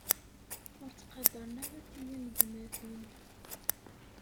Ur ttqadaren ara tiyanegmatin.